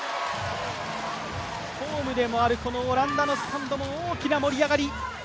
ホームでもあるオランダのスタンドも大きな盛り上がり。